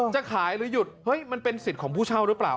จะขายหรือหยุดเฮ้ยมันเป็นสิทธิ์ของผู้เช่าหรือเปล่า